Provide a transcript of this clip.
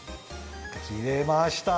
きれました！